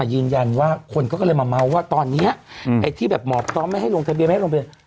ยืนยันว่าคนก็เลยมาเมาส์ว่าตอนนี้ไอ้ที่แบบหมอพร้อมไม่ให้ลงทะเบียนไม่ให้ลงทะเบียน